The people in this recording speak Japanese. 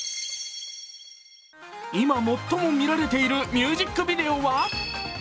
今、最も見られているミュージックビデオは？